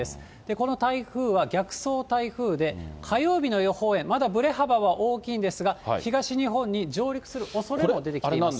この台風は逆走台風で、火曜日の予報円、まだぶれ幅は大きいんですが、東日本に上陸するおそれも出てきています。